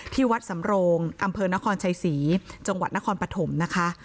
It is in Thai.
ที่วัดสำโรงอำเภอนครชัยศรีจังหวัดนครปฐมนะคะ